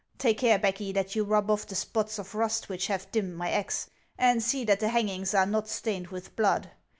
Take care, Becky, that you rub off the spots of rust which have dimmed my axe, and see that the hangings are not stained with blood.